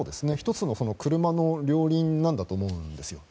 １つの車の両輪なんだと思うんです。